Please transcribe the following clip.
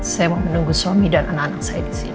saya menunggu suami dan anak anak saya di sini